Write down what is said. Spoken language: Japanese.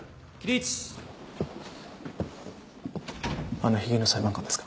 あのひげの裁判官ですか？